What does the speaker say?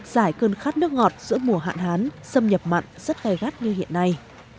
giải cơn khát nước ngọt giữa mùa hạn hán xâm nhập mặn rất gai gắt như hiện nay